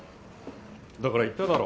だから言っただろ。